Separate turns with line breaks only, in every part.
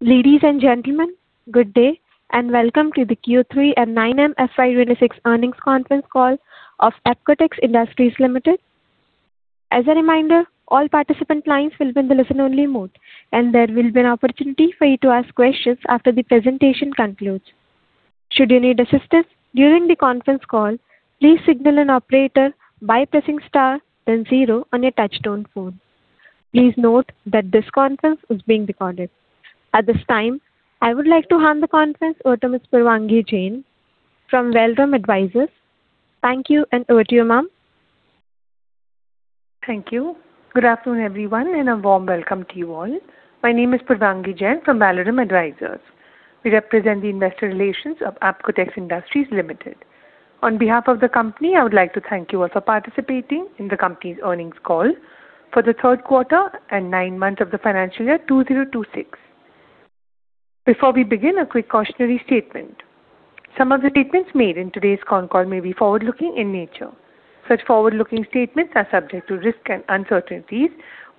Ladies and gentlemen, good day, and welcome to the Q3 and 9M FY 2026 earnings conference call of Apcotex Industries Limited. As a reminder, all participant lines will be in the listen-only mode, and there will be an opportunity for you to ask questions after the presentation concludes. Should you need assistance during the conference call, please signal an operator by pressing star then zero on your touchtone phone. Please note that this conference is being recorded. At this time, I would like to hand the conference over to Ms. Purvangi Jain from Valorem Advisors. Thank you, and over to you, ma'am.
Thank you. Good afternoon, everyone, and a warm welcome to you all. My name is Purvangi Jain from Valorem Advisors. We represent the investor relations of Apcotex Industries Limited. On behalf of the company, I would like to thank you all for participating in the company's earnings call for the third quarter and nine months of the financial year 2026. Before we begin, a quick cautionary statement. Some of the statements made in today's conf call may be forward-looking in nature. Such forward-looking statements are subject to risks and uncertainties,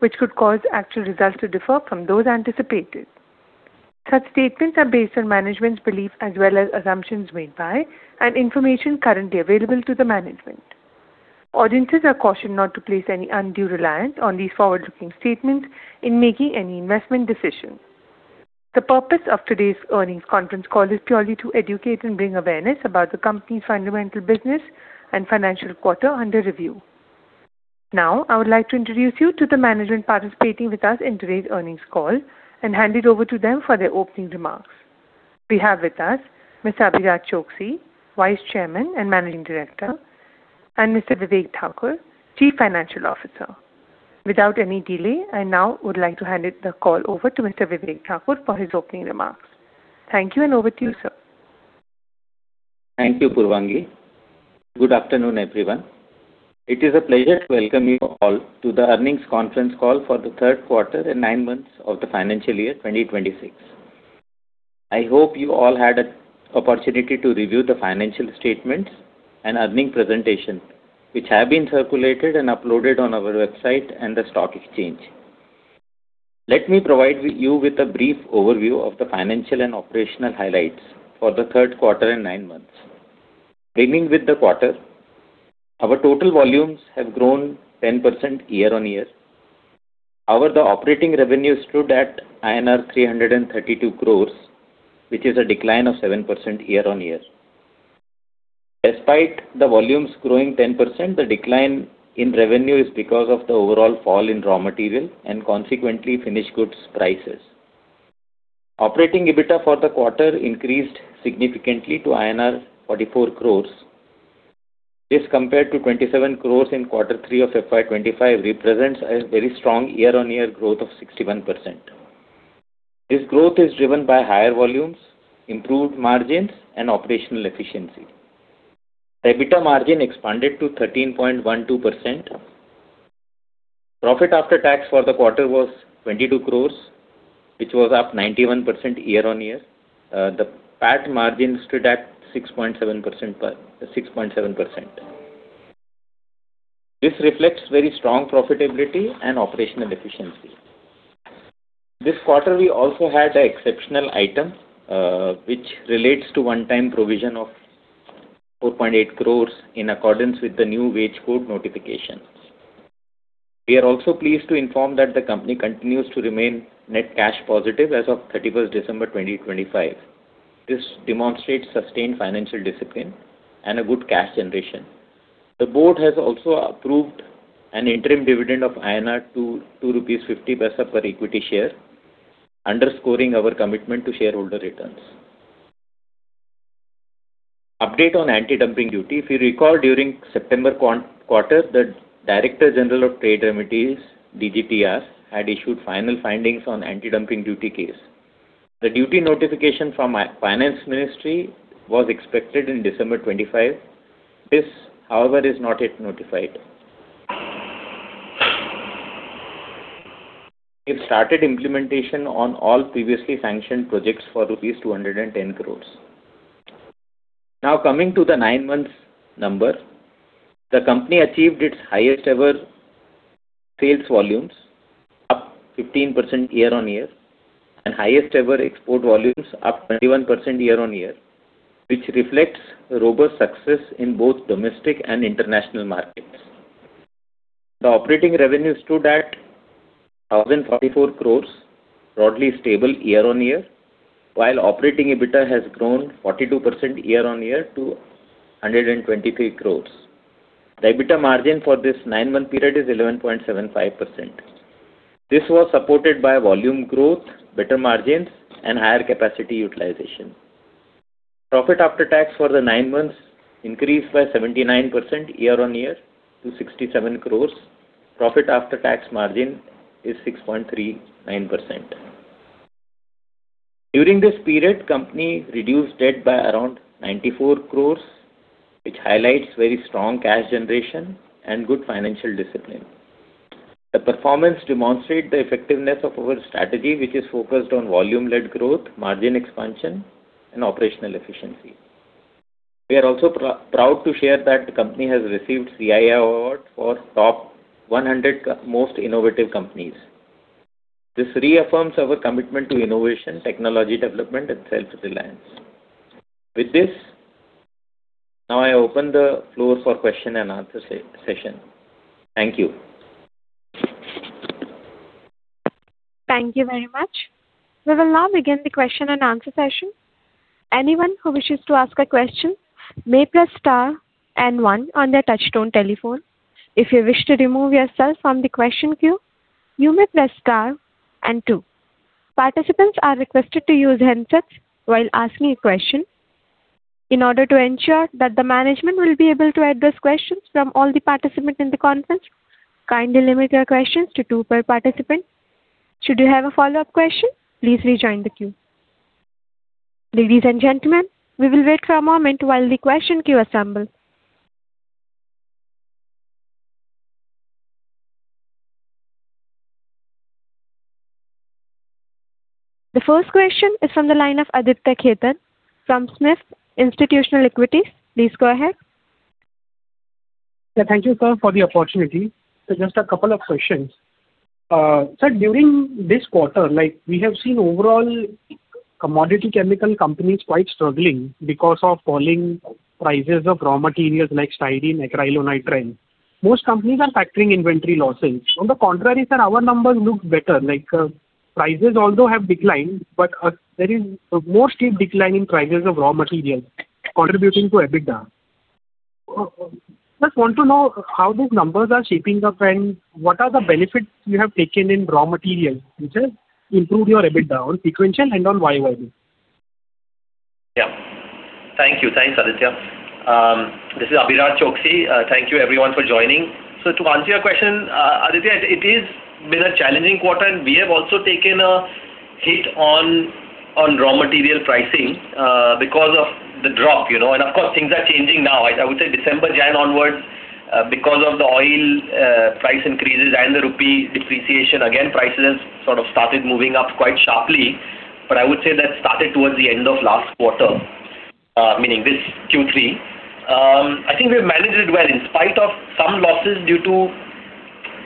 which could cause actual results to differ from those anticipated. Such statements are based on management's belief as well as assumptions made by and information currently available to the management. Audiences are cautioned not to place any undue reliance on these forward-looking statements in making any investment decisions. The purpose of today's earnings conference call is purely to educate and bring awareness about the company's fundamental business and financial quarter under review. Now, I would like to introduce you to the management participating with us in today's earnings call and hand it over to them for their opening remarks. We have with us Mr. Abhiraj Choksey, Vice Chairman and Managing Director, and Mr. Vivek Thakur, Chief Financial Officer. Without any delay, I now would like to hand the call over to Mr. Vivek Thakur for his opening remarks. Thank you, and over to you, sir.
Thank you, Purvangi. Good afternoon, everyone. It is a pleasure to welcome you all to the earnings conference call for the third quarter and nine months of the financial year 2026. I hope you all had an opportunity to review the financial statements and earnings presentation, which have been circulated and uploaded on our website and the stock exchange. Let me provide you with a brief overview of the financial and operational highlights for the third quarter and nine months. Beginning with the quarter, our total volumes have grown 10% year-on-year. However, the operating revenue stood at INR 332 crores, which is a decline of 7% year-on-year. Despite the volumes growing 10%, the decline in revenue is because of the overall fall in raw material and consequently finished goods prices. Operating EBITDA for the quarter increased significantly to INR 44 crores. This, compared to 27 crores in quarter 3 of FY 2025, represents a very strong year-over-year growth of 61%. This growth is driven by higher volumes, improved margins, and operational efficiency. The EBITDA margin expanded to 13.12%. Profit after tax for the quarter was 22 crores, which was up 91% year-over-year. The PAT margin stood at 6.7%, 6.7%. This reflects very strong profitability and operational efficiency. This quarter, we also had an exceptional item, which relates to one-time provision of INR 4.8 crores in accordance with the new wage code notification. We are also pleased to inform that the company continues to remain net cash positive as of 31st December 2025. This demonstrates sustained financial discipline and a good cash generation. The board has also approved an interim dividend of 2.50 INR per equity share, underscoring our commitment to shareholder returns. Update on anti-dumping duty. If you recall, during September quarter, the Director General of Trade Remedies, DGTR, had issued final findings on anti-dumping duty case. The duty notification from Finance Ministry was expected in December 2025. This, however, is not yet notified. We've started implementation on all previously sanctioned projects for rupees 210 crore. Now, coming to the nine months number, the company achieved its highest ever sales volumes, up 15% year-on-year, and highest ever export volumes, up 21% year-on-year, which reflects a robust success in both domestic and international markets. The operating revenue stood at 1,044 crore, broadly stable year-on-year, while operating EBITDA has grown 42% year-on-year to 123 crore. The EBITDA margin for this nine-month period is 11.75%. This was supported by volume growth, better margins, and higher capacity utilization. Profit after tax for the nine months increased by 79% year-on-year to 67 crore. Profit after tax margin is 6.39%. During this period, company reduced debt by around 94 crore, which highlights very strong cash generation and good financial discipline. The performance demonstrate the effectiveness of our strategy, which is focused on volume-led growth, margin expansion, and operational efficiency. ...We are also proud to share that the company has received CII award for top 100 most innovative companies. This reaffirms our commitment to innovation, technology development, and self-reliance. With this, now I open the floor for question and answer session. Thank you.
Thank you very much. We will now begin the question and answer session. Anyone who wishes to ask a question may press star and one on their touchtone telephone. If you wish to remove yourself from the question queue, you may press star and two. Participants are requested to use handsets while asking a question. In order to ensure that the management will be able to address questions from all the participants in the conference, kindly limit your questions to two per participant. Should you have a follow-up question, please rejoin the queue. Ladies and gentlemen, we will wait for a moment while the question queue assembles. The first question is from the line of Aditya Khetan from SMIFS Institutional Equities. Please go ahead.
Yeah, thank you, sir, for the opportunity. So just a couple of questions. Sir, during this quarter, like, we have seen overall commodity chemical companies quite struggling because of falling prices of raw materials like styrene, acrylonitrile. Most companies are factoring inventory losses. On the contrary, sir, our numbers look better, like, prices although have declined, but there is a more steep decline in prices of raw materials contributing to EBITDA. Just want to know how those numbers are shaping up, and what are the benefits you have taken in raw materials, which has improved your EBITDA on sequential and on YoY?
Yeah. Thank you. Thanks, Aditya. This is Abhiraj Choksey. Thank you everyone for joining. So to answer your question, Aditya, it is been a challenging quarter, and we have also taken a hit on raw material pricing, because of the drop, you know, and of course, things are changing now. I would say December, Jan onwards, because of the oil price increases and the rupee depreciation, again, prices sort of started moving up quite sharply. But I would say that started towards the end of last quarter, meaning this Q3. I think we've managed it well. In spite of some losses due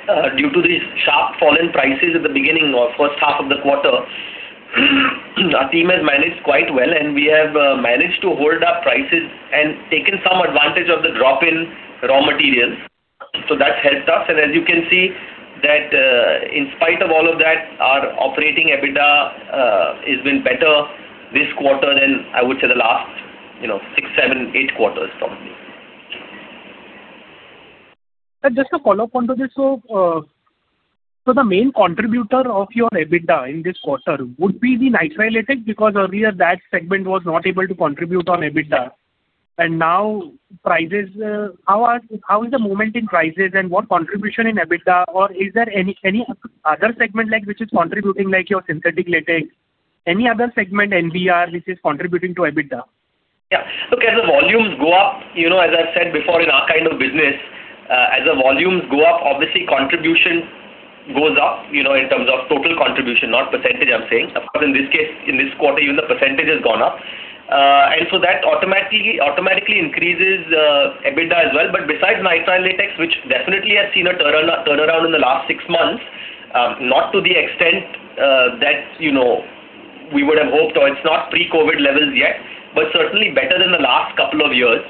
to, due to the sharp fall in prices at the beginning of first half of the quarter, our team has managed quite well, and we have, managed to hold our prices and taken some advantage of the drop in raw materials. So that's helped us, and as you can see, that, in spite of all of that, our operating EBITDA, has been better this quarter than I would say the last, you know, 6, 7, 8 quarters, probably.
Sir, just to follow up on to this, so, so the main contributor of your EBITDA in this quarter would be the nitrile latex, because earlier that segment was not able to contribute on EBITDA. And now prices, how is the movement in prices and what contribution in EBITDA, or is there any, any other segment like which is contributing, like your synthetic latex, any other segment NBR which is contributing to EBITDA?
Yeah. Look, as the volumes go up, you know, as I've said before, in our kind of business, as the volumes go up, obviously, contribution goes up, you know, in terms of total contribution, not percentage, I'm saying. Of course, in this case, in this quarter, even the percentage has gone up. And so that automatically, automatically increases, EBITDA as well. But besides nitrile latex, which definitely has seen a turnaround, turnaround in the last six months, not to the extent, that, you know, we would have hoped or it's not pre-COVID levels yet, but certainly better than the last couple of years.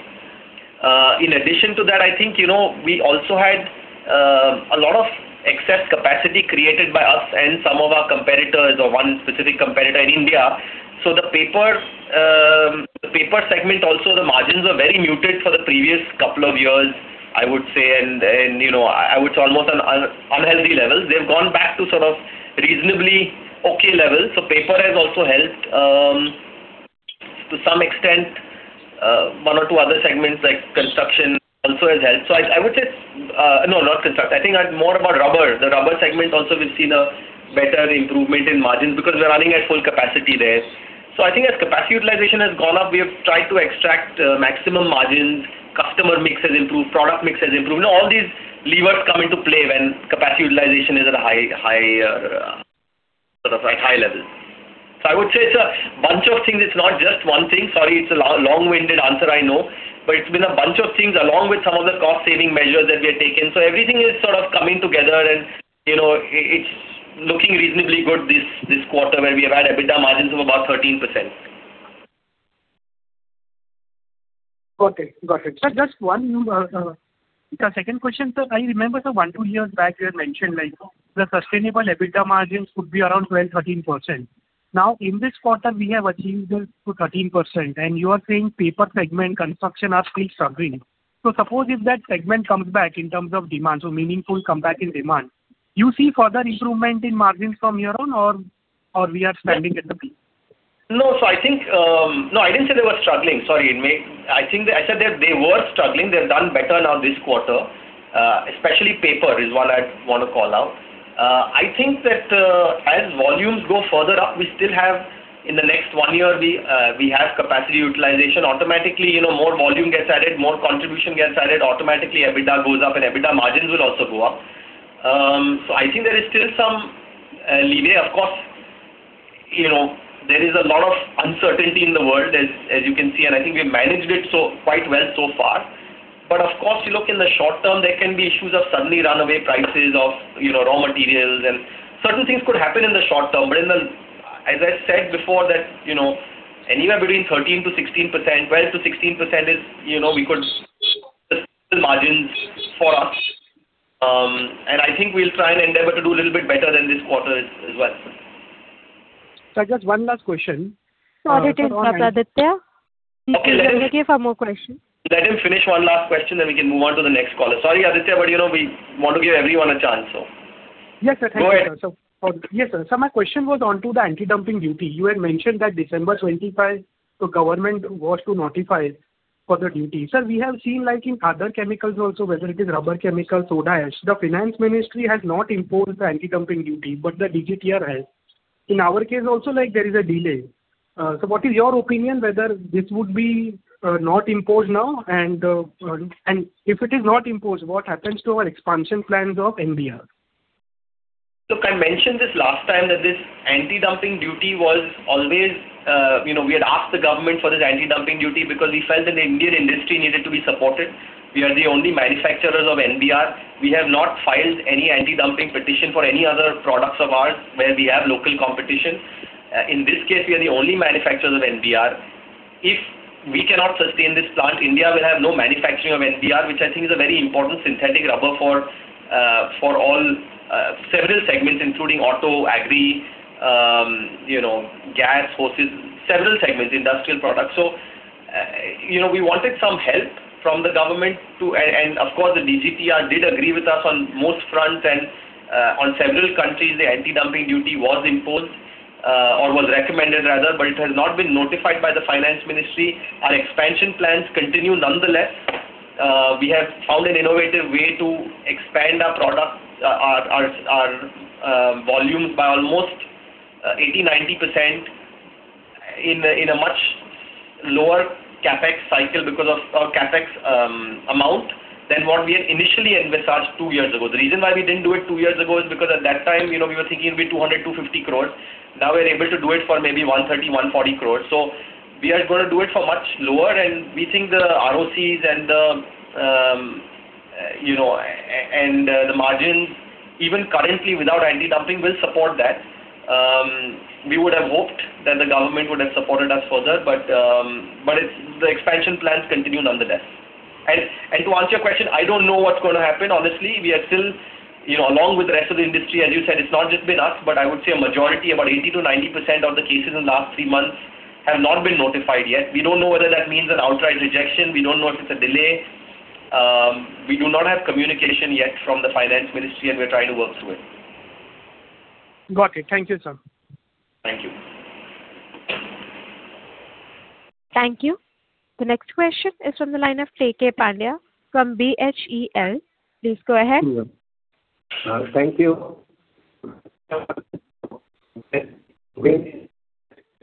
In addition to that, I think, you know, we also had, a lot of excess capacity created by us and some of our competitors or one specific competitor in India. So the paper segment, also, the margins were very muted for the previous couple of years, I would say, and, you know, I would say almost an unhealthy level. They've gone back to sort of reasonably okay levels. So paper has also helped, to some extent, one or two other segments like construction also has helped. So I would say, no, not construction. I think more about rubber. The rubber segment also, we've seen a better improvement in margins because we're running at full capacity there. So I think as capacity utilization has gone up, we have tried to extract maximum margins. Customer mix has improved, product mix has improved. You know, all these levers come into play when capacity utilization is at a high, higher, sort of at high level. So I would say it's a bunch of things, it's not just one thing. Sorry, it's a long-winded answer, I know. But it's been a bunch of things along with some of the cost saving measures that we have taken. So everything is sort of coming together and, you know, it's looking reasonably good this quarter, where we have had EBITDA margins of about 13%.
Got it. Got it. Sir, just one second question, sir. I remember that 1-2 years back, you had mentioned, like, the sustainable EBITDA margins would be around 12%-13%. Now, in this quarter, we have achieved this to 13%, and you are saying paper segment construction are still struggling. So suppose if that segment comes back in terms of demand, so meaningful comeback in demand, you see further improvement in margins from here on or, or we are standing at the peak?
No, so I think, no, I didn't say they were struggling. Sorry, it may-- I think I said that they were struggling. They've done better now this quarter, especially paper is one I'd want to call out. I think that, as volumes go further up, we still have, in the next one year, we, we have capacity utilization. Automatically, you know, more volume gets added, more contribution gets added, automatically, EBITDA goes up, and EBITDA margins will also go up. So I think there is still some leeway, of course- you know, there is a lot of uncertainty in the world as, as you can see, and I think we've managed it so quite well so far. But of course, you look in the short term, there can be issues of suddenly runaway prices of, you know, raw materials, and certain things could happen in the short term. But in the-- as I said before, that, you know, anywhere between 13%-16%, 12%-16% is, you know, we could margins for us. And I think we'll try and endeavor to do a little bit better than this quarter as, as well.
So I just one last question.
Sorry to interrupt, Aditya. You can stay for more question.
Let him finish one last question, then we can move on to the next caller. Sorry, Aditya, but, you know, we want to give everyone a chance, so.
Yes, sir. Thank you.
Go ahead.
Yes, sir. So my question was on to the anti-dumping duty. You had mentioned that December 25, the government was to notify for the duty. Sir, we have seen, like in other chemicals also, whether it is rubber chemicals, soda ash, the Finance Ministry has not imposed the anti-dumping duty, but the DGTR has. In our case also, like, there is a delay. So what is your opinion whether this would be not imposed now, and if it is not imposed, what happens to our expansion plans of NBR?
Look, I mentioned this last time that this anti-dumping duty was always... You know, we had asked the government for this anti-dumping duty because we felt that the Indian industry needed to be supported. We are the only manufacturers of NBR. We have not filed any anti-dumping petition for any other products of ours, where we have local competition. In this case, we are the only manufacturers of NBR. If we cannot sustain this plant, India will have no manufacturing of NBR, which I think is a very important synthetic rubber for, for all, several segments, including auto, agri, you know, gas hoses, several segments, industrial products. So, you know, we wanted some help from the government to... And of course, the DGTR did agree with us on most fronts, and on several countries, the anti-dumping duty was imposed, or was recommended rather, but it has not been notified by the Finance Ministry. Our expansion plans continue nonetheless. We have found an innovative way to expand our product volumes by almost 80%-90% in a much lower CapEx cycle because of our CapEx amount than what we had initially envisaged two years ago. The reason why we didn't do it two years ago is because at that time, you know, we were thinking it'd be 200-250 crores. Now we're able to do it for maybe 130-140 crores. So we are going to do it for much lower, and we think the ROCEs and the, you know, the margins, even currently without anti-dumping, will support that. We would have hoped that the government would have supported us further, but it's... The expansion plans continue nonetheless. And to answer your question, I don't know what's going to happen. Honestly, we are still, you know, along with the rest of the industry, as you said, it's not just been us, but I would say a majority, about 80%-90% of the cases in the last three months have not been notified yet. We don't know whether that means an outright rejection. We don't know if it's a delay. We do not have communication yet from the Finance Ministry, and we're trying to work through it.
Got it. Thank you, sir.
Thank you.
Thank you. The next question is from the line of A.K. Pandya from BHEL. Please go ahead.
Thank you.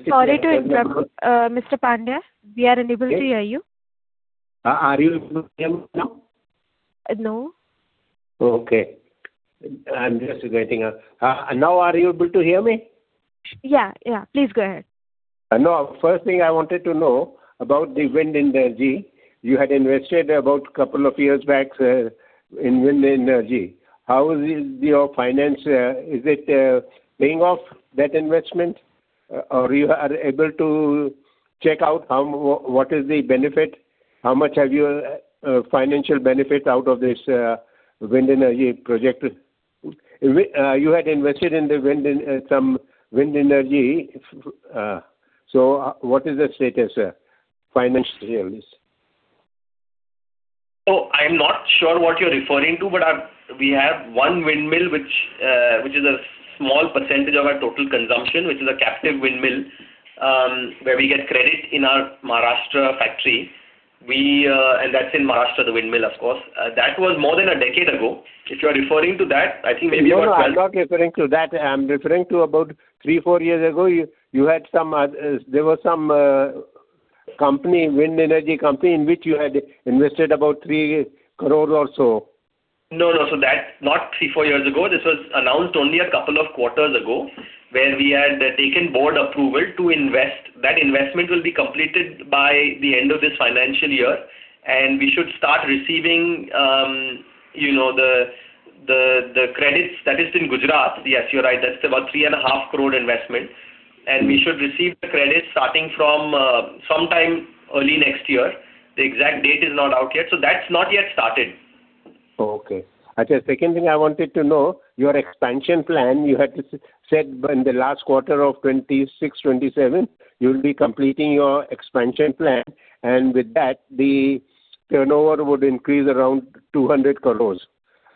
Sorry to interrupt, Mr. Pandya. We are unable to hear you.
Are you able to hear me now?
Uh, no.
Okay. I'm just waiting, now are you able to hear me?
Yeah, yeah, please go ahead.
Now, first thing I wanted to know about the wind energy. You had invested about a couple of years back in wind energy. How is your finance? Is it paying off that investment, or you are able to check out how, what is the benefit? How much have you financial benefit out of this wind energy project? You had invested in the wind, some wind energy. So what is the status, financially on this?
So I'm not sure what you're referring to, but we have one windmill, which, which is a small percentage of our total consumption, which is a captive windmill, where we get credit in our Maharashtra factory. We, and that's in Maharashtra, the windmill, of course. That was more than a decade ago. If you are referring to that, I think maybe about-
No, no, I'm not referring to that. I'm referring to about three, four years ago, you had some, there was some company, wind energy company, in which you had invested about 3 crore or so.
No, no. So that, not 3, 4 years ago. This was announced only a couple of quarters ago, where we had taken board approval to invest. That investment will be completed by the end of this financial year, and we should start receiving, you know, the credits. That is in Gujarat. Yes, you're right. That's about 3.5 crore investment, and we should receive the credits starting from sometime early next year. The exact date is not out yet, so that's not yet started.
Okay. Okay, second thing I wanted to know, your expansion plan, you had to say in the last quarter of 2026-2027, you'll be completing your expansion plan, and with that, the turnover would increase around 200 crore.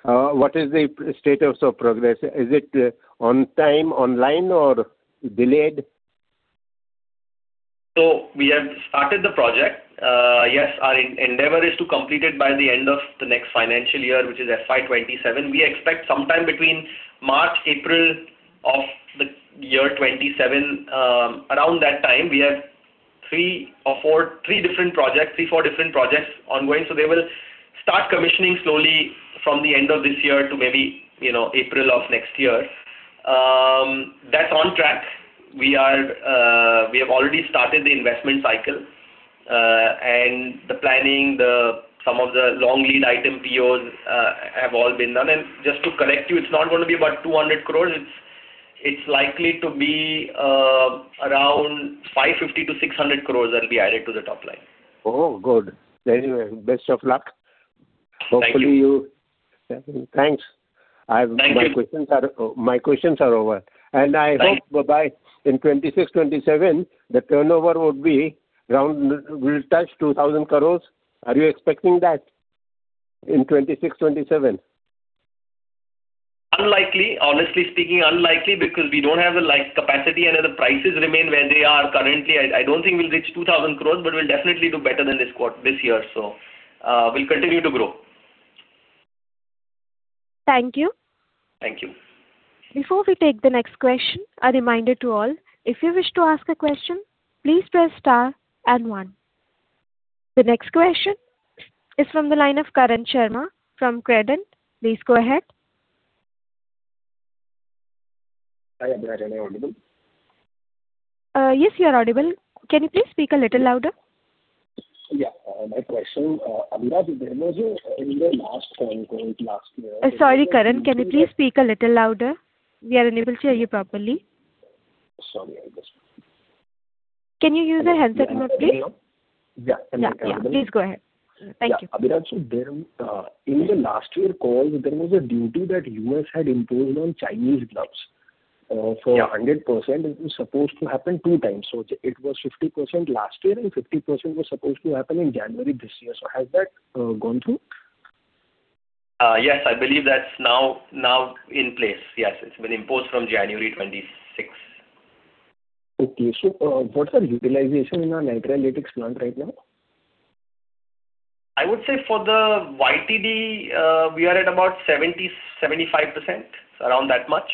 What is the status of progress? Is it on time, online, or delayed?
So we have started the project. Yes, our endeavor is to complete it by the end of the next financial year, which is FY27. We expect sometime between March, April of the year 2027, around that time or four, three different projects, three, four different projects ongoing. So they will start commissioning slowly from the end of this year to maybe, you know, April of next year. That's on track. We are, we have already started the investment cycle, and the planning, the, some of the long lead item POs have all been done. And just to correct you, it's not going to be about 200 crore. It's, it's likely to be around 550-600 crore that'll be added to the top line.
Oh, good. Very well. Best of luck.
Thank you.
Hopefully, you... Thanks.
Thank you.
My questions are, my questions are over.
Thanks.
I hope by in 2026-2027, the turnover would be around, will touch 2,000 crore. Are you expecting that in 2026-2027?
Unlikely. Honestly speaking, unlikely, because we don't have the like capacity, and if the prices remain where they are currently, I don't think we'll reach 2,000 crore, but we'll definitely do better than this year. So, we'll continue to grow.
Thank you.
Thank you.
Before we take the next question, a reminder to all: if you wish to ask a question, please press star and one. The next question is from the line of Karan Sharma from Credent. Please go ahead.
Hi, Abhiraj. Am I audible?
Yes, you're audible. Can you please speak a little louder?
Yeah. My question, Abhiraj, there was in the last call, last year-
Sorry, Karan, can you please speak a little louder? We are unable to hear you properly.
Sorry about this.
Can you use a headset mode, please?
Yeah.
Yeah, yeah. Please go ahead. Thank you.
Yeah. Abhiraj, so then, in the last year call, there was a duty that U.S. had imposed on Chinese gloves.
Yeah...
for 100%. It was supposed to happen 2 times. So it was 50% last year, and 50% was supposed to happen in January this year. So has that gone through?
Yes, I believe that's now, now in place. Yes, it's been imposed from January 26.
Okay. What's the utilization in the nitrile latex plant right now?
I would say for the YTD, we are at about 70%-75%, around that much.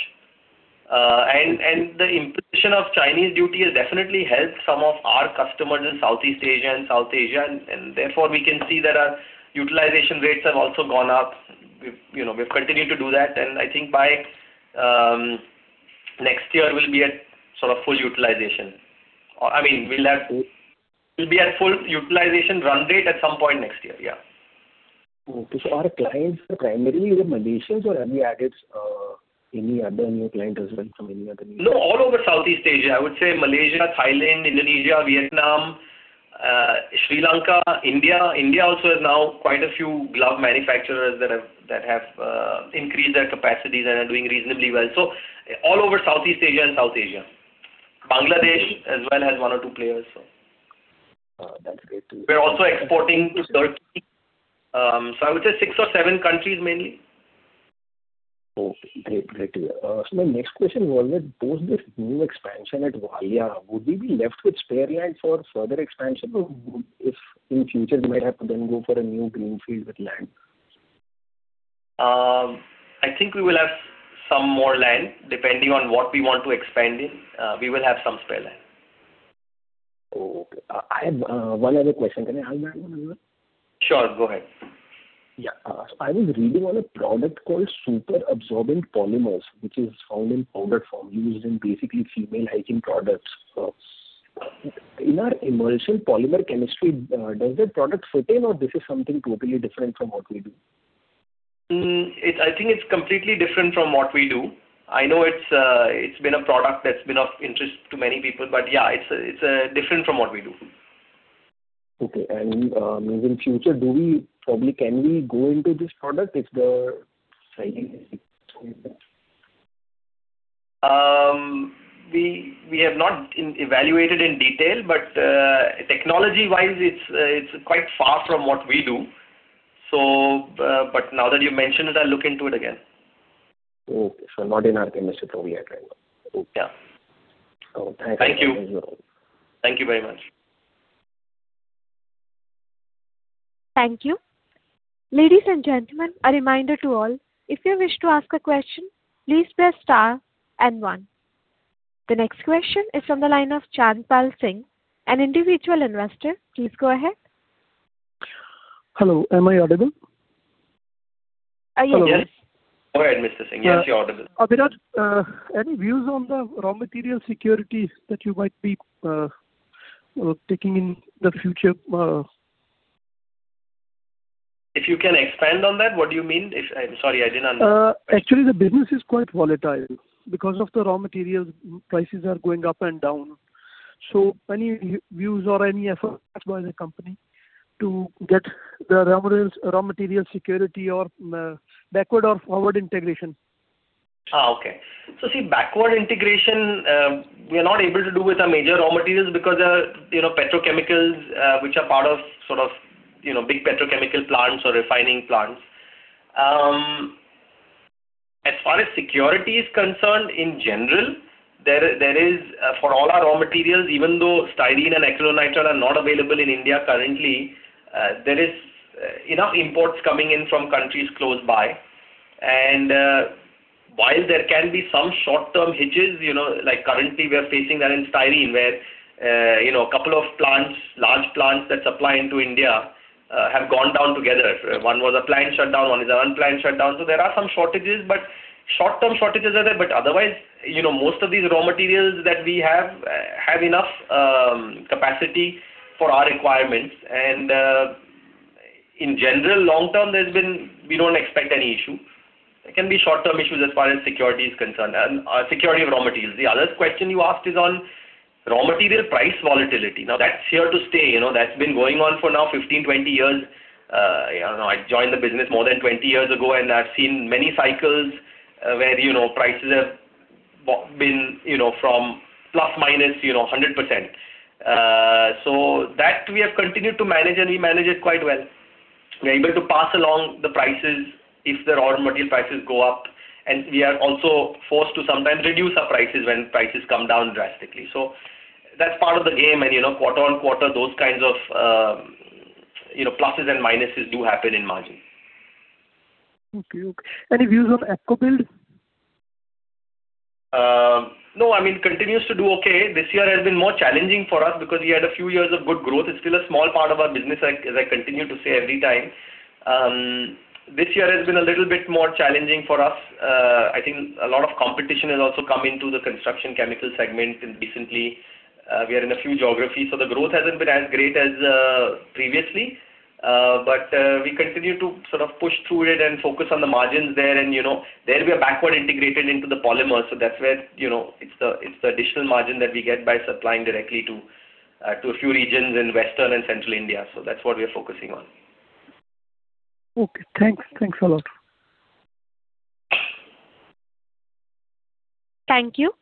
And the imposition of Chinese duty has definitely helped some of our customers in Southeast Asia and South Asia, and therefore, we can see that our utilization rates have also gone up. We've, you know, we've continued to do that, and I think by next year, we'll be at sort of full utilization. Or, I mean, we'll have-
Cool.
We'll be at full utilization run rate at some point next year. Yeah.
Okay. So our clients are primarily in Malaysia, or have you added any other new client as well from any other nation?
No, all over Southeast Asia. I would say Malaysia, Thailand, Indonesia, Vietnam, Sri Lanka, India. India also has now quite a few glove manufacturers that have increased their capacities and are doing reasonably well. So all over Southeast Asia and South Asia. Bangladesh as well has one or two players, so.
That's great to hear.
We're also exporting to Turkey. So I would say six or seven countries mainly.
Okay, great. Great. So my next question was, post this new expansion at Valia, would we be left with spare land for further expansion, or if in future you might have to then go for a new greenfield with land?
I think we will have some more land. Depending on what we want to expand in, we will have some spare land.
Oh, okay. I have one other question. Can I ask that one as well?
Sure, go ahead.
Yeah. So I was reading on a product called super absorbent polymers, which is found in powder form, used in basically female hygiene products. In our emulsion polymer chemistry, does that product fit in, or this is something totally different from what we do?
I think it's completely different from what we do. I know it's been a product that's been of interest to many people, but yeah, it's different from what we do.
Okay. And in future, do we probably can we go into this product if the selling is good?
We have not evaluated in detail, but technology-wise, it's quite far from what we do. But now that you mention it, I'll look into it again.
Okay. So not in our chemistry probably right now. Okay.
Yeah.
Thank you.
Thank you.
You're welcome.
Thank you very much.
Thank you. Ladies and gentlemen, a reminder to all. If you wish to ask a question, please press star and one. The next question is from the line of Chanpal Singh, an individual investor. Please go ahead.
Hello, am I audible?
Are you-
Yes. Go ahead, Mr. Singh. Yes, you're audible.
Abhiraj, any views on the raw material security that you might be taking in the future?
If you can expand on that, what do you mean? I'm sorry, I didn't understand.
Actually, the business is quite volatile because of the raw materials, prices are going up and down. So any views or any efforts by the company to get the raw materials, raw material security or, backward or forward integration?
Oh, okay. So, see, backward integration, we are not able to do with our major raw materials because they are, you know, petrochemicals, which are part of sort of, you know, big petrochemical plants or refining plants. As far as security is concerned, in general, there is for all our raw materials, even though styrene and acrylonitrile are not available in India currently, there is enough imports coming in from countries close by. And, while there can be some short-term hitches, you know, like currently we are facing that in styrene, where, you know, a couple of plants, large plants that supply into India, have gone down together. One was a planned shutdown, one is an unplanned shutdown. So there are some shortages, but short-term shortages are there, but otherwise, you know, most of these raw materials that we have have enough capacity for our requirements. In general, long term, we don't expect any issue. There can be short-term issues as far as security is concerned, and security of raw materials. The other question you asked is on raw material price volatility. Now, that's here to stay, you know, that's been going on for now 15-20 years. I don't know, I joined the business more than 20 years ago, and I've seen many cycles, where, you know, prices have been, you know, from plus, minus, you know, 100%. So that we have continued to manage, and we manage it quite well. We're able to pass along the prices if the raw material prices go up, and we are also forced to sometimes reduce our prices when prices come down drastically. So that's part of the game and, you know, quarter-on-quarter, those kinds of, you know, pluses and minuses do happen in margin.
Okay. Any views of ApcoBuild?
No, I mean, continues to do okay. This year has been more challenging for us because we had a few years of good growth. It's still a small part of our business, I, as I continue to say every time. This year has been a little bit more challenging for us. I think a lot of competition has also come into the construction chemical segment recently. We are in a few geographies, so the growth hasn't been as great as previously. But we continue to sort of push through it and focus on the margins there, and, you know, there we are backward integrated into the polymers. So that's where, you know, it's the, it's the additional margin that we get by supplying directly to a few regions in Western and Central India. So that's what we are focusing on.
Okay, thanks. Thanks a lot.
Thank you.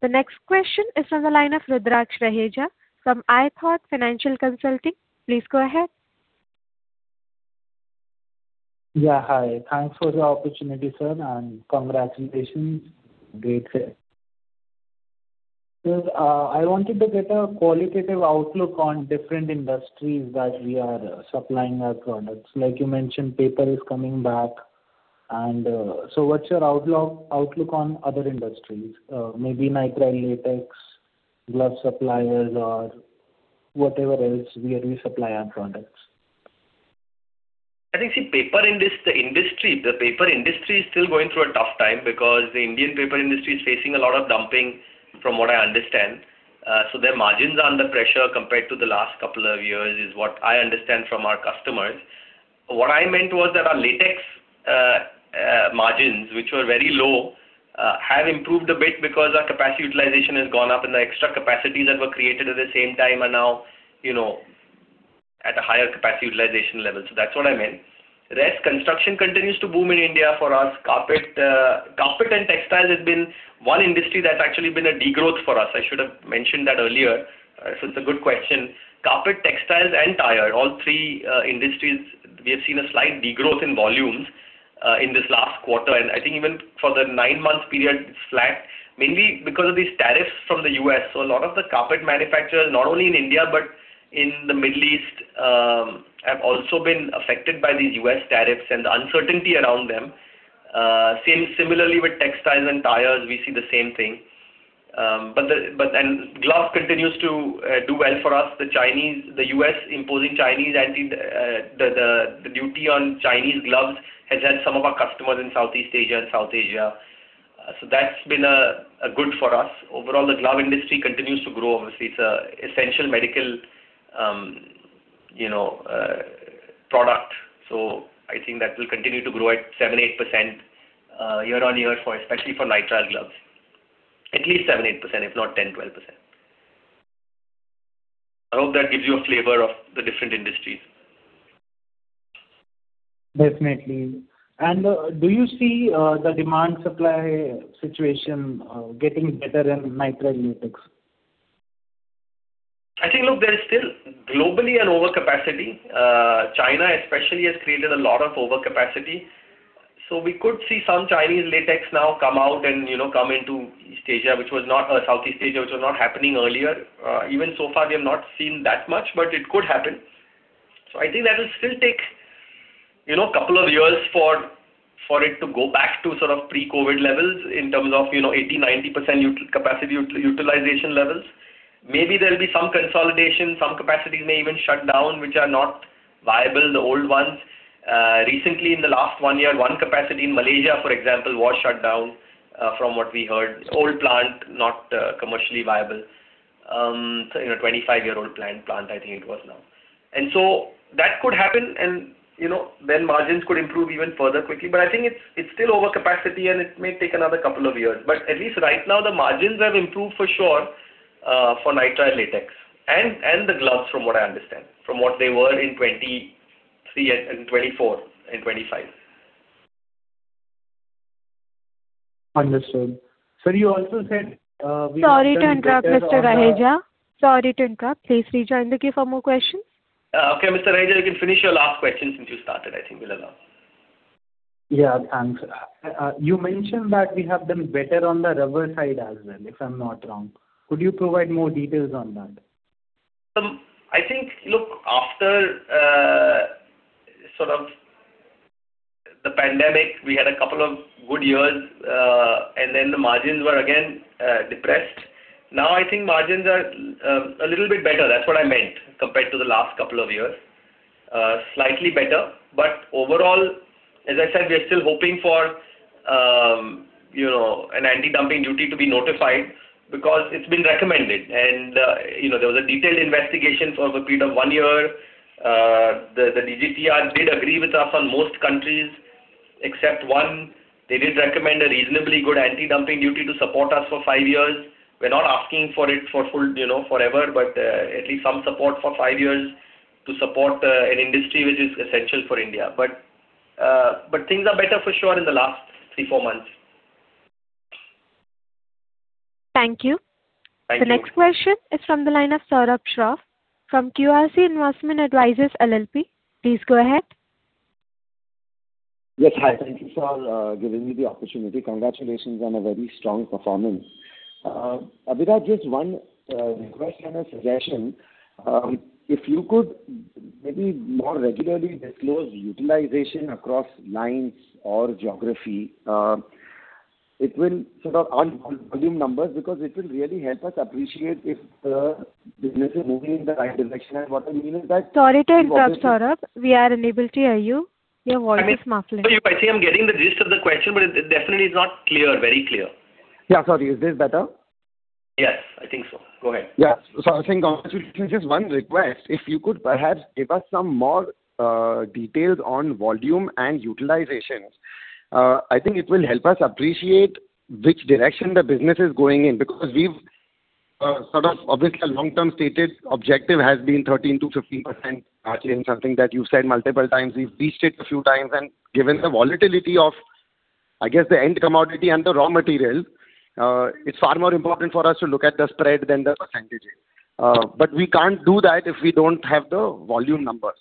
The next question is on the line of Rudraksh Raheja from ithought Financial Consulting. Please go ahead.
Yeah, hi. Thanks for the opportunity, sir, and congratulations. Great day. I wanted to get a qualitative outlook on different industries that we are supplying our products. Like you mentioned, paper is coming back and, so what's your outlook, outlook on other industries? Maybe nitrile, latex, glove suppliers or whatever else where we supply our products.
I think, see, the paper industry is still going through a tough time because the Indian paper industry is facing a lot of dumping, from what I understand. So their margins are under pressure compared to the last couple of years, is what I understand from our customers. What I meant was that our latex, margins, which were very low, have improved a bit because our capacity utilization has gone up, and the extra capacities that were created at the same time are now, you know, at a higher capacity utilization level. So that's what I meant. Rest, construction continues to boom in India for us. Carpet, carpet and textiles has been one industry that's actually been a degrowth for us. I should have mentioned that earlier. So it's a good question. Carpet, textiles, and tire, all three industries, we have seen a slight degrowth in volumes in this last quarter, and I think even for the nine-month period, it's flat. Mainly because of these tariffs from the U.S. So a lot of the carpet manufacturers, not only in India, but in the Middle East, have also been affected by these U.S. tariffs and the uncertainty around them. Similarly with textiles and tires, we see the same thing. But gloves continues to do well for us. The U.S. imposing anti-dumping duty on Chinese gloves has helped some of our customers in Southeast Asia and South Asia. So that's been good for us. Overall, the glove industry continues to grow. Obviously, it's an essential medical, you know, product. I think that will continue to grow at 7%-8% year-on-year, especially for nitrile gloves. At least 7%-8%, if not 10%-12%. I hope that gives you a flavor of the different industries.
Definitely. And, do you see, the demand-supply situation, getting better in nitrile latex?
I think, look, there is still globally an overcapacity. China especially has created a lot of overcapacity, so we could see some Chinese latex now come out and, you know, come into East Asia, which was not, Southeast Asia, which was not happening earlier. Even so far, we have not seen that much, but it could happen. So I think that will still take, you know, a couple of years for it to go back to sort of pre-COVID levels in terms of, you know, 80%-90% capacity utilization levels. Maybe there'll be some consolidation, some capacities may even shut down, which are not viable, the old ones. Recently, in the last one year, one capacity in Malaysia, for example, was shut down, from what we heard. Old plant, not commercially viable. You know, 25-year-old plant, I think it was now. And so that could happen and, you know, then margins could improve even further quickly. But I think it's still overcapacity, and it may take another couple of years. But at least right now, the margins have improved for sure, for nitrile latex, and the gloves, from what I understand, from what they were in 2023 and 2024 and 2025.
Understood. Sir, you also said, we are-
Sorry to interrupt, Mr. Raheja. Sorry to interrupt. Please rejoin the queue for more questions.
Okay, Mr. Raheja, you can finish your last question since you started. I think we'll allow you....
Yeah, thanks. You mentioned that we have done better on the rubber side as well, if I'm not wrong. Could you provide more details on that?
I think, look, after sort of the pandemic, we had a couple of good years, and then the margins were again depressed. Now, I think margins are a little bit better. That's what I meant, compared to the last couple of years. Slightly better, but overall, as I said, we are still hoping for, you know, an anti-dumping duty to be notified because it's been recommended. And, you know, there was a detailed investigation for a period of one year. The DGTR did agree with us on most countries, except one. They did recommend a reasonably good anti-dumping duty to support us for five years. We're not asking for it for full, you know, forever, but at least some support for five years to support an industry which is essential for India. But things are better for sure in the last 3-4 months.
Thank you.
Thank you.
The next question is from the line of Saurabh Shroff from QRC Investment Advisors LLP. Please go ahead.
Yes, hi. Thank you for giving me the opportunity. Congratulations on a very strong performance. Abhiraj, just one request and a suggestion. If you could maybe more regularly disclose utilization across lines or geography, it will sort of on volume numbers, because it will really help us appreciate if the business is moving in the right direction and what the meaning is that-
Sorry to interrupt, Saurabh. We are unable to hear you. Your voice is muffled.
I think I'm getting the gist of the question, but it definitely is not clear, very clear.
Yeah, sorry. Is this better?
Yes, I think so. Go ahead.
Yeah. So I was saying, congratulations, just one request. If you could perhaps give us some more details on volume and utilizations. I think it will help us appreciate which direction the business is going in, because we've sort of obviously, a long-term stated objective has been 13%-15% margin, something that you've said multiple times. We've reached it a few times, and given the volatility of, I guess, the end commodity and the raw material, it's far more important for us to look at the spread than the percentages. But we can't do that if we don't have the volume numbers.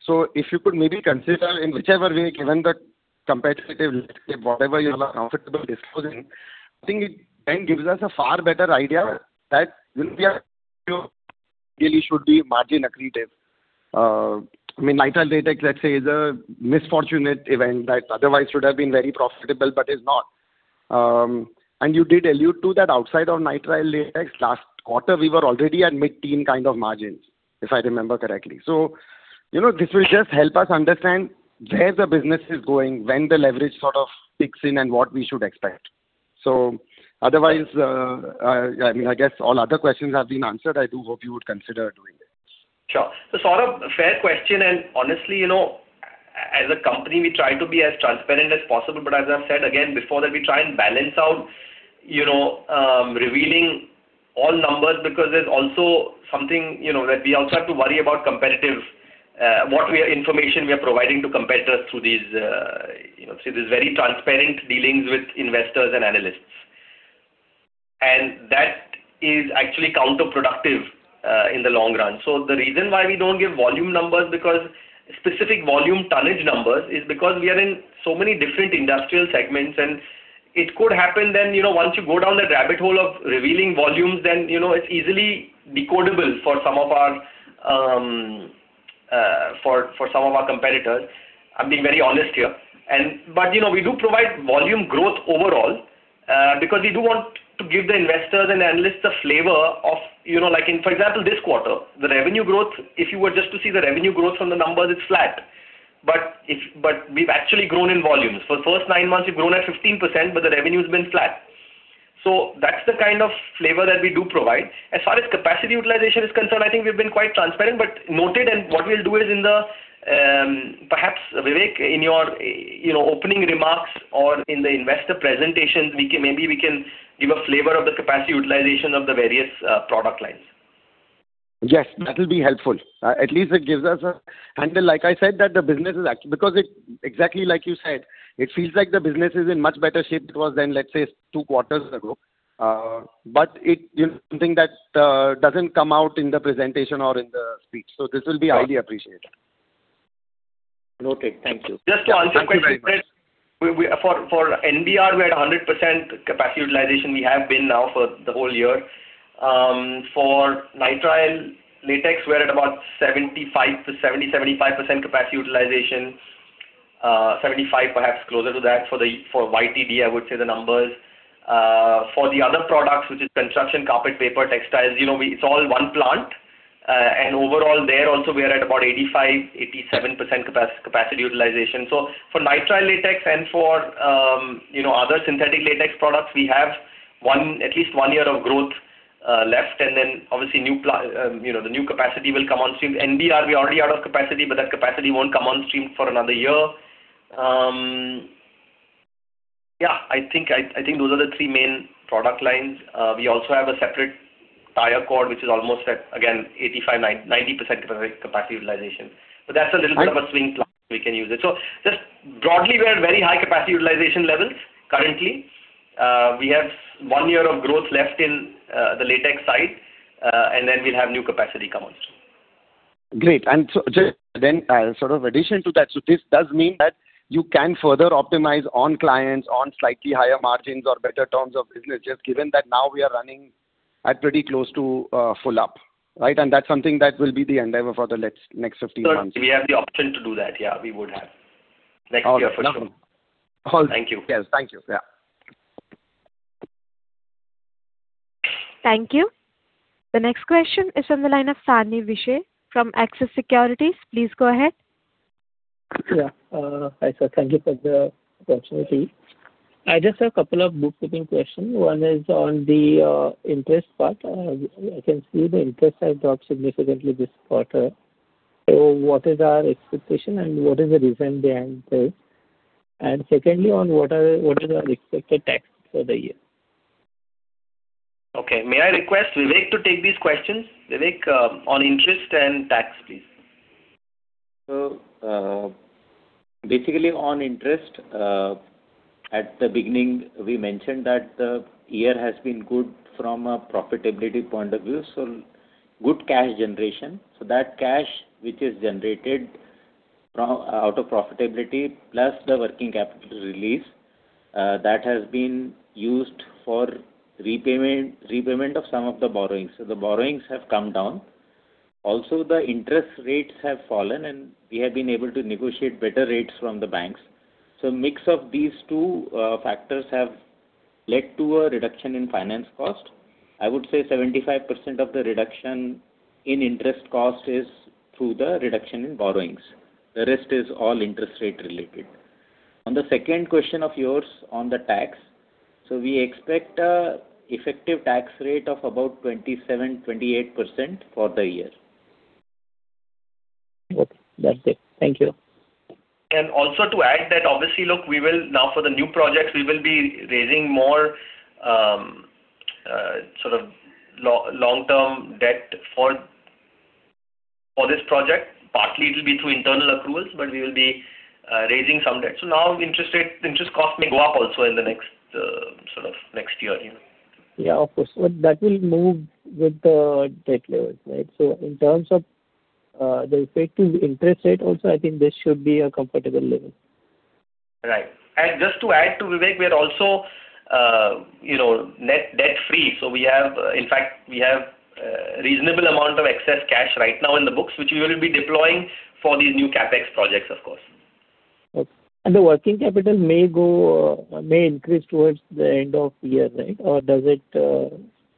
So if you could maybe consider in whichever way, given the competitive, whatever you are comfortable disclosing, I think it then gives us a far better idea that when we are really should be margin accretive. I mean, nitrile latex, let's say, is an unfortunate event that otherwise should have been very profitable but is not. And you did allude to that outside of nitrile latex, last quarter, we were already at mid-teen kind of margins, if I remember correctly. So, you know, this will just help us understand where the business is going, when the leverage sort of kicks in, and what we should expect. So otherwise, I mean, I guess all other questions have been answered. I do hope you would consider doing this.
Sure. So Saurabh, fair question, and honestly, you know, as a company, we try to be as transparent as possible. But as I've said again before, that we try and balance out, you know, revealing all numbers, because there's also something, you know, that we also have to worry about competitive information we are providing to competitors through these, you know, through these very transparent dealings with investors and analysts. And that is actually counterproductive in the long run. So the reason why we don't give volume numbers, because specific volume tonnage numbers, is because we are in so many different industrial segments, and it could happen then, you know, once you go down that rabbit hole of revealing volumes, then, you know, it's easily decodable for some of our, for some of our competitors. I'm being very honest here. You know, we do provide volume growth overall, because we do want to give the investors and analysts a flavor of, you know, like in, for example, this quarter, the revenue growth, if you were just to see the revenue growth from the numbers, it's flat. But we've actually grown in volumes. For the first nine months, we've grown at 15%, but the revenue's been flat. So that's the kind of flavor that we do provide. As far as capacity utilization is concerned, I think we've been quite transparent, but noted, and what we'll do is in the, perhaps, Vivek, in your, you know, opening remarks or in the investor presentations, we can maybe give a flavor of the capacity utilization of the various product lines.
Yes, that will be helpful. At least it gives us a handle. Like I said, that the business is because it, exactly like you said, it feels like the business is in much better shape it was than, let's say, two quarters ago. But it, you know, something that doesn't come out in the presentation or in the speech. So this will be highly appreciated.
Okay, thank you.
Thank you very much.
Just to answer your question, we for NBR, we're at 100% capacity utilization. We have been now for the whole year. For nitrile latex, we're at about 70%-75% capacity utilization. 75, perhaps closer to that for the YTD, I would say the numbers. For the other products, which is construction, carpet, paper, textiles, you know, we it's all one plant. And overall, there also we are at about 85%-87% capacity utilization. So for nitrile latex and for, you know, other synthetic latex products, we have at least one year of growth left, and then obviously, new you know, the new capacity will come on stream. NBR, we're already out of capacity, but that capacity won't come on stream for another year. Yeah, I think those are the three main product lines. We also have a separate tire cord, which is almost at, again, 85%-90% capacity utilization. But that's a little bit of a swing plant we can use it. So just broadly, we're at very high capacity utilization levels currently. We have one year of growth left in the latex side, and then we'll have new capacity come on stream....
Great! And so, just then, sort of addition to that, so this does mean that you can further optimize on clients, on slightly higher margins or better terms of business, just given that now we are running at pretty close to full up, right? And that's something that will be the endeavor for the next 15 months.
Sir, we have the option to do that. Yeah, we would have. Next year, for sure.
All right.
Thank you.
Yes. Thank you. Yeah.
Thank you. The next question is on the line of Sani Vishe from Axis Securities. Please go ahead.
Yeah. Hi, sir. Thank you for the opportunity. I just have a couple of bookkeeping questions. One is on the interest part. I can see the interest has dropped significantly this quarter. So what is our expectation and what is the reason behind this? And secondly, on what is our expected tax for the year?
Okay. May I request Vivek to take these questions? Vivek, on interest and tax, please.
So, basically, on interest, at the beginning, we mentioned that the year has been good from a profitability point of view, so good cash generation. So that cash, which is generated out of profitability, plus the working capital release, that has been used for repayment of some of the borrowings. So the borrowings have come down. Also, the interest rates have fallen, and we have been able to negotiate better rates from the banks. So mix of these two factors have led to a reduction in finance cost. I would say 75% of the reduction in interest cost is through the reduction in borrowings. The rest is all interest rate related. On the second question of yours on the tax, so we expect an effective tax rate of about 27%-28% for the year.
Okay, that's it. Thank you.
Also, to add that, obviously, look, we will now for the new projects, we will be raising more sort of long-term debt for this project. Partly, it will be through internal accruals, but we will be raising some debt. So now interest rate, interest cost may go up also in the next sort of next year, you know.
Yeah, of course. Well, that will move with the debt levels, right? So in terms of, the effective interest rate also, I think this should be a comfortable level.
Right. And just to add to Vivek, we are also, you know, net debt-free. So we have, in fact, we have, reasonable amount of excess cash right now in the books, which we will be deploying for these new CapEx projects, of course.
Okay. And the working capital may go, may increase towards the end of year, right? Or does it,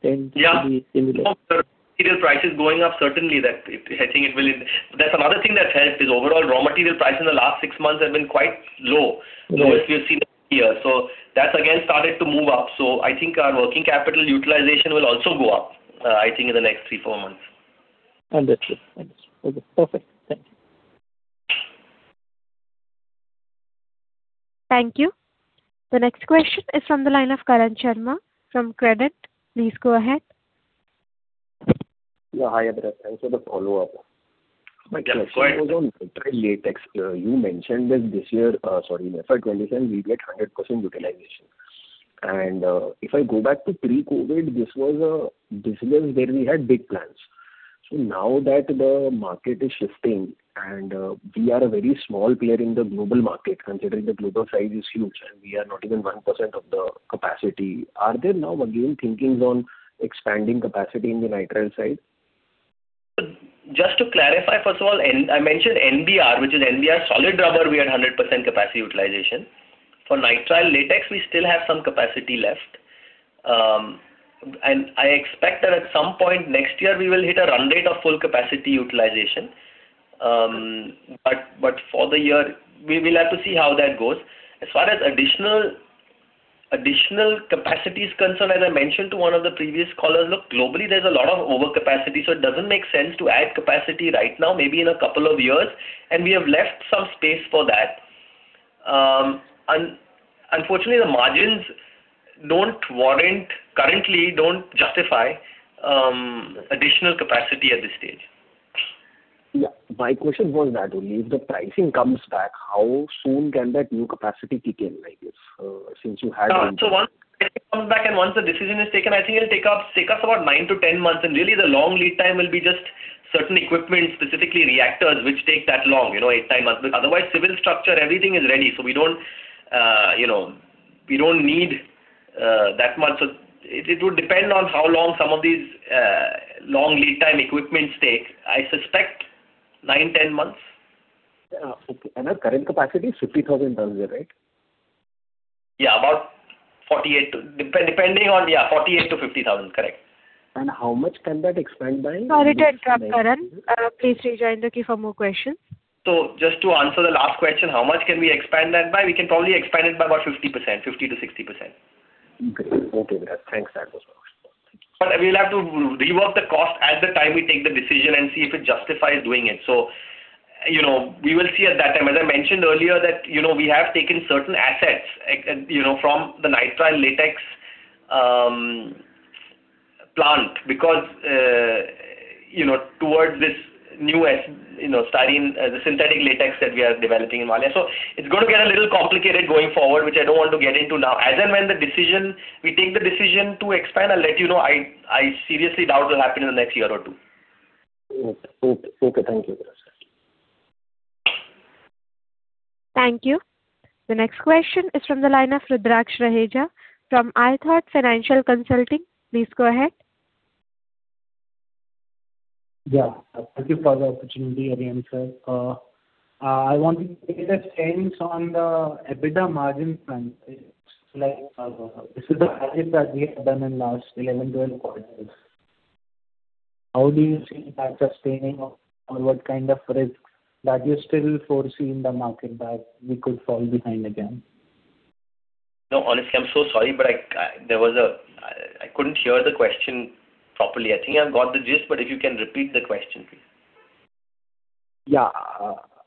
tend to be similar?
Yeah. Material prices going up, certainly that it, I think it will... There's another thing that's helped is overall raw material prices in the last six months have been quite low.
Mm-hmm.
So as we have seen here. So that's again started to move up. So I think our working capital utilization will also go up, I think in the next three, four months.
Understood. Understood. Okay, perfect. Thank you.
Thank you. The next question is from the line of Karan Sharma from Credent. Please go ahead.
Yeah. Hi, Abhiraj. Thanks for the follow-up.
Yeah, go ahead.
On nitrile latex, you mentioned that this year, sorry, in FY 27, we get 100% utilization. And, if I go back to pre-COVID, this was a business where we had big plans. So now that the market is shifting and, we are a very small player in the global market, considering the global size is huge and we are not even 1% of the capacity, are there now again thinkings on expanding capacity in the nitrile side?
Just to clarify, first of all, I mentioned NBR, which is NBR solid rubber, we are at 100% capacity utilization. For nitrile latex, we still have some capacity left. I expect that at some point next year, we will hit a run rate of full capacity utilization. For the year, we will have to see how that goes. As far as additional capacity is concerned, as I mentioned to one of the previous callers, look, globally, there's a lot of overcapacity, so it doesn't make sense to add capacity right now, maybe in a couple of years, and we have left some space for that. Unfortunately, the margins don't warrant currently don't justify additional capacity at this stage.
Yeah. My question was that only. If the pricing comes back, how soon can that new capacity kick in, I guess, since you had-
So once it comes back and once the decision is taken, I think it'll take us about 9-10 months, and really the long lead time will be just certain equipment, specifically reactors, which take that long, you know, 8-9 months. Otherwise, civil structure, everything is ready, so we don't, you know, we don't need that much. So it would depend on how long some of these long lead time equipments take. I suspect 9-10 months.
Yeah. Okay. Our current capacity is 50,000 tons a year, right?
Yeah, about 48,000-50,000, depending on. Yeah. Correct.
How much can that expand by?
Sorry to interrupt, Karan. Please rejoin the queue for more questions.
Just to answer the last question, how much can we expand that by? We can probably expand it by about 50%, 50%-60%.
Okay. Okay, great. Thanks, that was all.
But we will have to rework the cost at the time we take the decision and see if it justifies doing it. So, you know, we will see at that time. As I mentioned earlier, that, you know, we have taken certain assets, you know, from the nitrile latex plant, because, you know, towards this new you know, studying the synthetic latex that we are developing in Valia. So it's going to get a little complicated going forward, which I don't want to get into now. As and when the decision, we take the decision to expand, I'll let you know. I, I seriously doubt it'll happen in the next year or two.
Okay. Okay. Thank you very much, sir.
Thank you. The next question is from the line of Rudraksh Raheja from iThought Financial Consulting. Please go ahead.
Yeah, thank you for the opportunity again, sir. I want to get the stance on the EBITDA margin front, like, this is the margin that we have done in last 11, 12 quarters. How do you see that sustaining or, or what kind of risk that you're still foresee in the market that we could fall behind again?
No, honestly, I'm so sorry, but I couldn't hear the question properly. I think I've got the gist, but if you can repeat the question, please.
Yeah.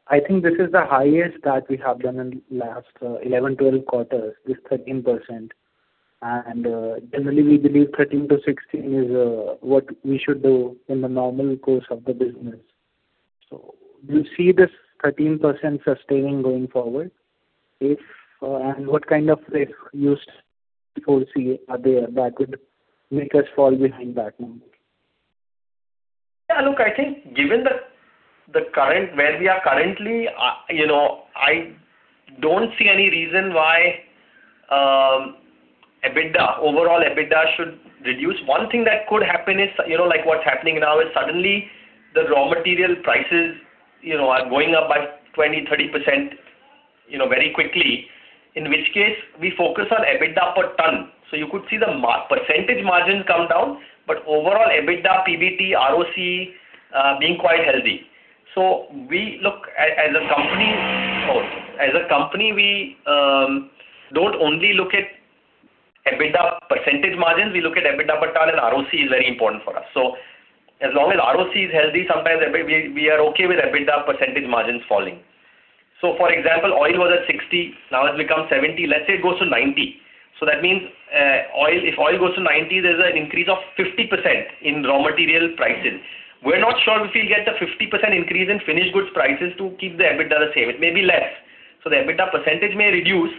I think this is the highest that we have done in last 11, 12 quarters, this 13%. And, generally we believe 13%-16% is, what we should do in the normal course of the business. So do you see this 13% sustaining going forward? If, and what kind of risk you foresee are there that would make us fall behind that number?
Yeah, look, I think given the current, where we are currently, you know, I don't see any reason why EBITDA, overall EBITDA should reduce. One thing that could happen is, you know, like what's happening now, is suddenly the raw material prices, you know, are going up by 20%-30%, you know, very quickly, in which case we focus on EBITDA per ton. So you could see the percentage margin come down, but overall, EBITDA, PBT, ROC being quite healthy. So we look as a company, as a company, we don't only look at EBITDA percentage margins, we look at EBITDA per ton, and ROC is very important for us. So as long as ROC is healthy, sometimes we are okay with EBITDA percentage margins falling. So for example, oil was at $60, now it's become $70. Let's say it goes to 90. So that means, oil, if oil goes to 90, there's an increase of 50% in raw material prices. We're not sure if we'll get the 50% increase in finished goods prices to keep the EBITDA the same. It may be less, so the EBITDA percentage may reduce,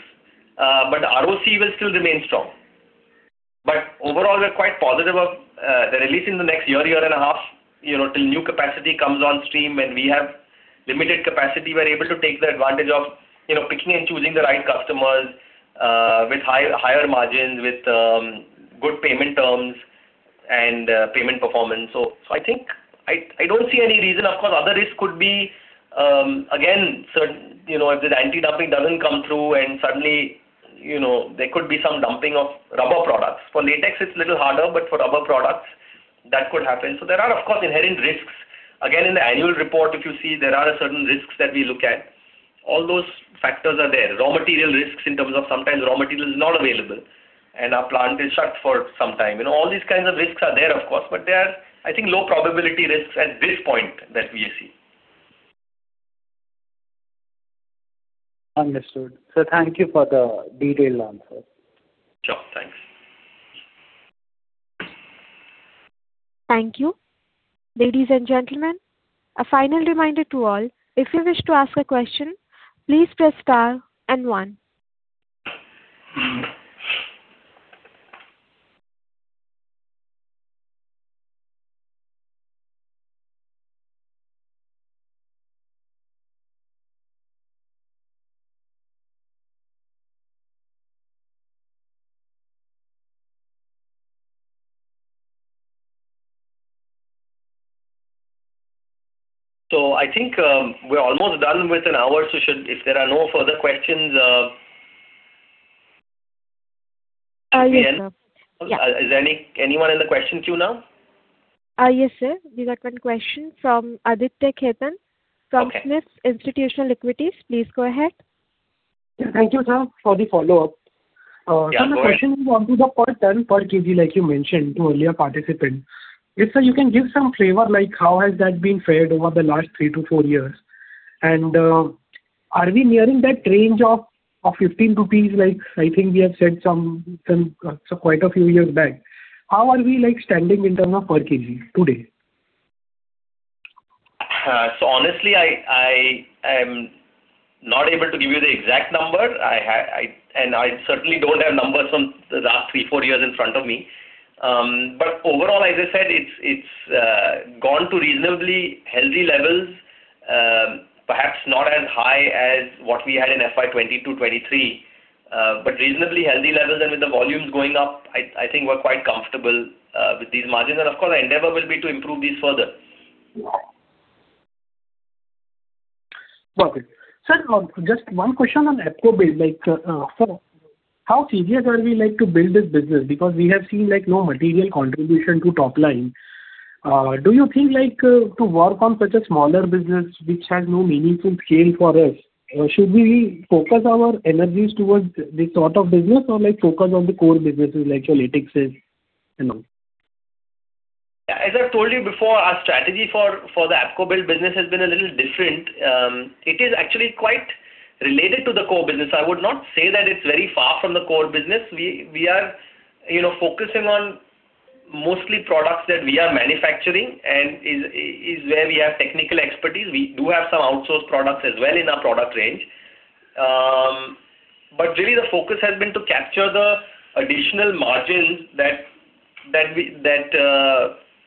but the ROC will still remain strong. But overall, we are quite positive of the release in the next year, year and a half, you know, till new capacity comes on stream. When we have limited capacity, we're able to take the advantage of, you know, picking and choosing the right customers with higher margins, with good payment terms and payment performance. So, so I, I don't see any reason. Of course, other risk could be, again, so, you know, if the anti-dumping doesn't come through and suddenly, you know, there could be some dumping of rubber products. For latex, it's little harder, but for rubber products, that could happen. So there are, of course, inherent risks. Again, in the annual report, if you see, there are certain risks that we look at. All those factors are there. Raw material risks in terms of sometimes raw material is not available, and our plant is shut for some time. You know, all these kinds of risks are there, of course, but they are, I think, low probability risks at this point that we see.
Understood. So thank you for the detailed answer.
Sure. Thanks.
Thank you. Ladies and gentlemen, a final reminder to all. If you wish to ask a question, please press star and one.
I think we're almost done with an hour, so if there are no further questions,
Yes, sir.
Is there anyone in the question queue now?
Yes, sir. We got one question from Aditya Khetan-
Okay.
From SMIFS Institutional Equities. Please go ahead.
Thank you, sir, for the follow-up.
Yeah, go ahead.
So the question is on to the per ton, per kg, like you mentioned to earlier participant. If you can give some flavor, like how has that been fared over the last 3-4 years? And are we nearing that range of 15 rupees, like I think we have said some quite a few years back. How are we, like, standing in terms of per kg today?
So honestly, I am not able to give you the exact number. And I certainly don't have numbers from the last three, four years in front of me. But overall, as I said, it's gone to reasonably healthy levels, perhaps not as high as what we had in FY 2022, 2023, but reasonably healthy levels. And with the volumes going up, I think we're quite comfortable with these margins. And of course, our endeavor will be to improve these further.
Perfect. Sir, just one question on ApcoBuild. Like, sir, how serious are we like to build this business? Because we have seen like no material contribution to top line. Do you think like, to work on such a smaller business which has no meaningful scale for us, should we focus our energies towards this sort of business, or like focus on the core businesses like your latexes and all?
Yeah. As I've told you before, our strategy for the ApcoBuild business has been a little different. It is actually quite related to the core business. I would not say that it's very far from the core business. We are, you know, focusing mostly products that we are manufacturing and is where we have technical expertise. We do have some outsourced products as well in our product range. But really the focus has been to capture the additional margins that we,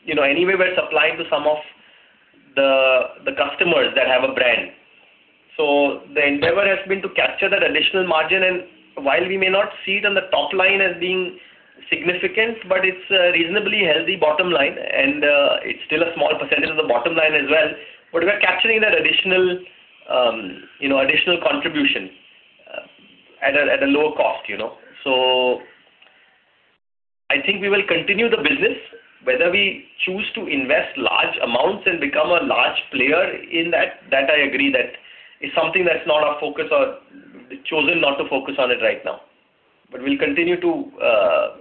you know, anyway, we're supplying to some of the customers that have a brand. So the endeavor has been to capture that additional margin, and while we may not see it on the top line as being significant, but it's a reasonably healthy bottom line, and it's still a small percentage of the bottom line as well. But we are capturing that additional, you know, additional contribution at a lower cost, you know? So I think we will continue the business. Whether we choose to invest large amounts and become a large player in that, that I agree that is something that's not our focus or chosen not to focus on it right now. But we'll continue to,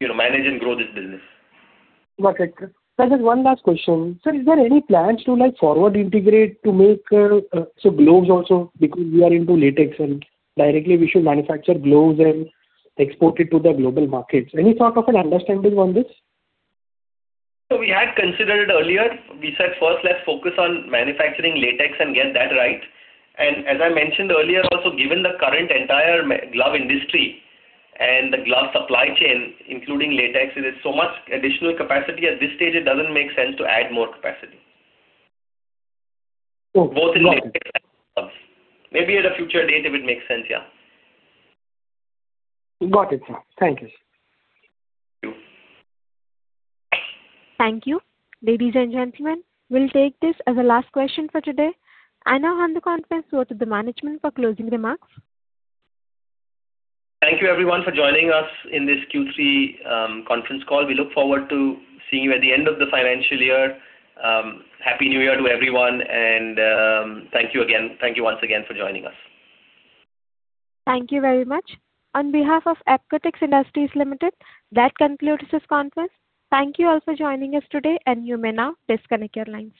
you know, manage and grow this business.
Got it. Sir, just one last question. Sir, is there any plans to, like, forward integrate to make surgical gloves also, because we are into latex and directly we should manufacture gloves and export it to the global markets? Any sort of an understanding on this?
So we had considered it earlier. We said, first, let's focus on manufacturing latex and get that right. And as I mentioned earlier, also, given the current entire glove industry and the glove supply chain, including latex, there's so much additional capacity. At this stage, it doesn't make sense to add more capacity.
Oh, got it.
Maybe at a future date, if it makes sense, yeah.
Got it, sir. Thank you.
Thank you.
Thank you. Ladies and gentlemen, we'll take this as a last question for today. I now hand the conference over to the management for closing remarks.
Thank you, everyone, for joining us in this Q3 conference call. We look forward to seeing you at the end of the financial year. Happy New Year to everyone, and, thank you again. Thank you once again for joining us.
Thank you very much. On behalf of Apcotex Industries Limited, that concludes this conference. Thank you all for joining us today, and you may now disconnect your lines.